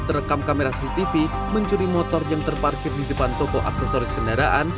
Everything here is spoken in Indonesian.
terekam kamera cctv mencuri motor yang terparkir di depan toko aksesoris kendaraan